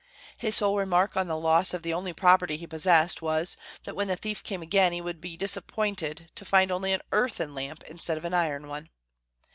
His sole remark on the loss of the only property he possessed was, that when the thief came again he would be disappointed to find only an earthen lamp instead of an iron one.